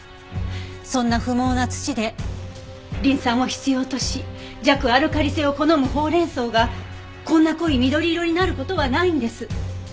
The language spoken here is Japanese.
そんな不毛な土でリン酸を必要とし弱アルカリ性を好むほうれん草がこんな濃い緑色になる事はないんです。